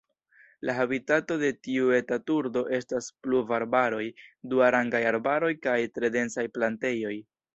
La habitato de tiu eta turdo estas pluvarbaroj, duarangaj arbaroj kaj tre densaj plantejoj.